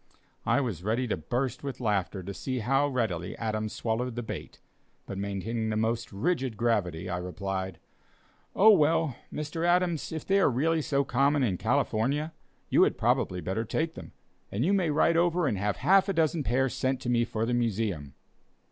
I was ready to burst with laughter to see how readily Adams swallowed the bait, but maintaining the most rigid gravity, I replied: "Oh well, Mr. Adams, if they are really so common in California, you had probably better take them, and you may write over and have half a dozen pairs sent to me for the Museum."